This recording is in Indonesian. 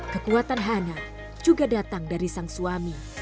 kekuatan hana juga datang dari sang suami